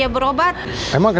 dan subscribe ya